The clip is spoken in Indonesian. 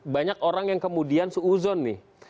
banyak orang yang kemudian suuzon nih